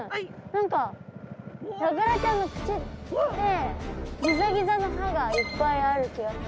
何かヤガラちゃんの口ってギザギザの歯がいっぱいある気がする。